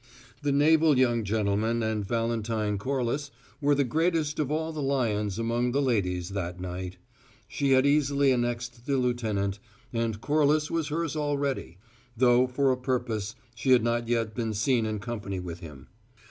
The naval young gentleman and Valentine Corliss were the greatest of all the lions among ladies that night; she had easily annexed the lieutenant, and Corliss was hers already; though, for a purpose, she had not yet been seen in company with him.